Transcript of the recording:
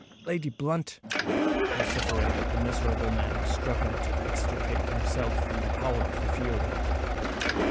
"Lady Blunt!" vociferated the miserable man, struggling to extricate himself from the power of the fury.